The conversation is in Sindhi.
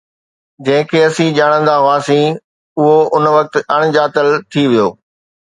جنهن کي اسين ڄاڻندا هئاسين، اهو ان وقت اڻڄاتل ٿي ويو